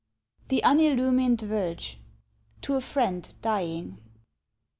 "THE UNILLUMINED VERGE." TO A FRIEND DYING.